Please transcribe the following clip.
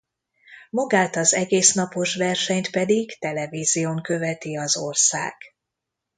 Magát az egész napos versenyt pedig televízión követi az ország.